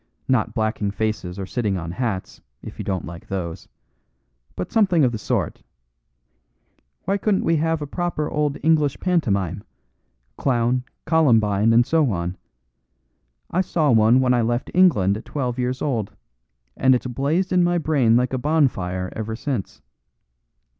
Not blacking faces or sitting on hats, if you don't like those but something of the sort. Why couldn't we have a proper old English pantomime clown, columbine, and so on. I saw one when I left England at twelve years old, and it's blazed in my brain like a bonfire ever since.